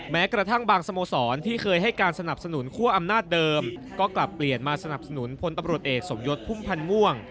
แม้กระทั่งบางสโมสรที่เคยให้การสนับสนุนคั่วอำนาจเดิมก็กลับเปลี่ยนมาสนับสนุนพลตำรวจเอกสมยศพุ่มพันธ์ม่วง